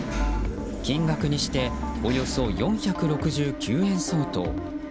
金額にしておよそ４６９円相当。